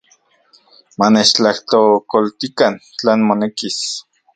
Manechtlajtlakoltikan tlan monekis.